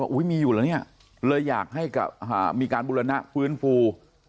อุ้ยมีอยู่หรอเนี่ยเลยอยากให้มีการบูรณะฟื้นฟู